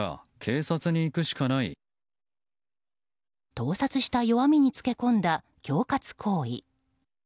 盗撮した弱みにつけ込んだ恐喝行為。